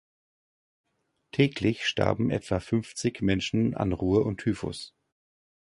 Täglich starben etwa fünfzig Menschen an Ruhr und Typhus.